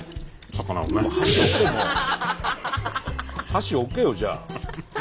箸置けよじゃあ。